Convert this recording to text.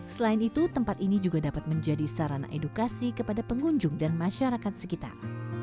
selain itu tempat ini juga dapat menjadi sarana edukasi kepada pengunjung dan masyarakat sekitar